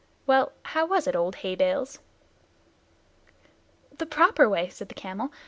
Well, how was it, old Hay bales?" "The proper way," said the camel.